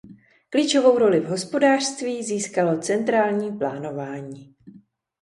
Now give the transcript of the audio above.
Klíčovou roli v hospodářství získalo centrální plánování.